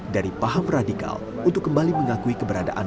dari paham radikal untuk kembali mengakui keberadaan